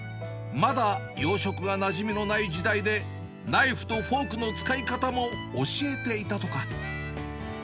まだ洋食がなじみのない時代で、ナイフとフォークの使い方も教えていたとか。